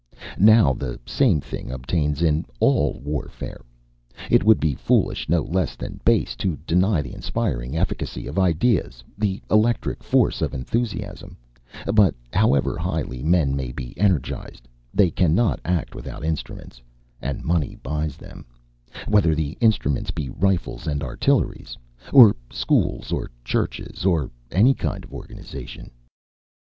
Now the same thing obtains in all warfare. It would be foolish, no less than base, to deny the inspiring efficacy of ideas, the electric force of enthusiasm; but, however highly men may be energised, they cannot act without instruments; and money buys them, whether the instruments be rifles and artillery, or schools, or churches, or any kind of organisation.